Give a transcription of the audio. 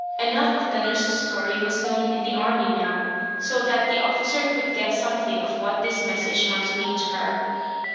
Enough of the nurse's story was known in the army now so that the officer could guess something of what this message might mean to her.